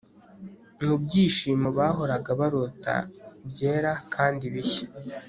Mubyishimo bahoraga barota byera kandi bishya